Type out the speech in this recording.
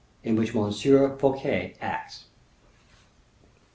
In which Monsieur Fouquet Acts.